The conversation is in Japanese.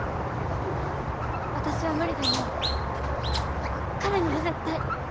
私は無理でも彼には絶対。